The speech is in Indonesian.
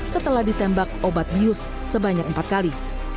setelah ditembak obat bius sebanyak empat kali